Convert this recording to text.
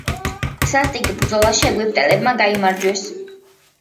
სასტიკ ბრძოლაში ეგვიპტელებმა გაიმარჯვეს.